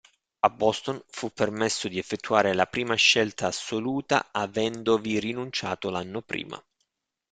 A Boston fu permesso di effettuare la prima scelta assoluta avendovi rinunciato l'anno prima.